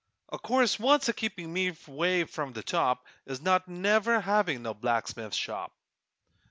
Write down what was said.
O' course what's a keepin' me 'way from the top, Is not never havin' no blacksmithing shop.